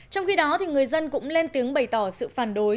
trong khi đó người dân cũng lên tiếng bày tỏ sự phản đối